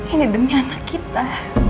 ini demi anak kita